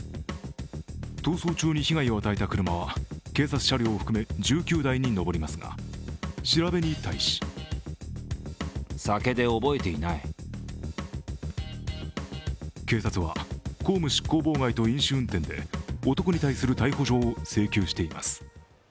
逃走中に被害を与えた車は警察車両を含め１９台に上りますが調べに対し警察は公務執行妨害と飲酒運転で男に対する逮捕状を請求しています。